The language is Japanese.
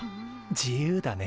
自由だね。